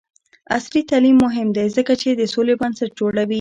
عصري تعلیم مهم دی ځکه چې د سولې بنسټ جوړوي.